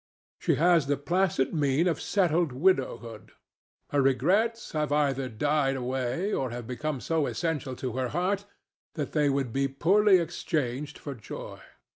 She has the placid mien of settled widowhood. Her regrets have either died away or have become so essential to her heart that they would be poorly exchanged for joy.